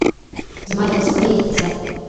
زمـــا د رسـوايـۍ كـيسه